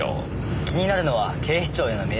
気になるのは警視庁へのメールです。